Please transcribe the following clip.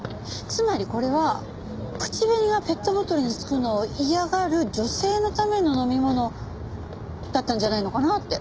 つまりこれは口紅がペットボトルにつくのを嫌がる女性のための飲み物だったんじゃないのかなって。